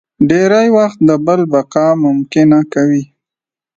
ډېری وخت د بل بقا ممکنه کوي.